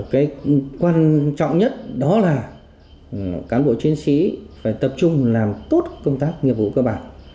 cái quan trọng nhất đó là cán bộ chiến sĩ phải tập trung làm tốt công tác nghiệp vụ cơ bản